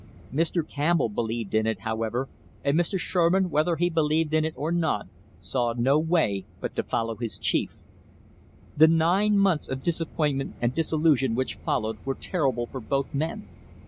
Mr. Campbell believed in it, however, and Mr. Sherman, whether he believed in it or not, saw no way but to follow his chief. The nine months of disappointment and disillusion which followed were terrible for both men.